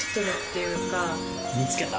見つけた！